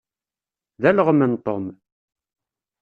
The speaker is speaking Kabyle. D alɣem n Tom.